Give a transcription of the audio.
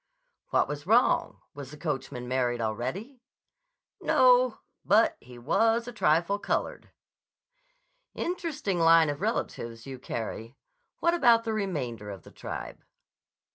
"What was wrong? Was the coachman married already?" "No. But he was a trifle colored." "Interesting line of relatives you carry. What about the remainder of the tribe?"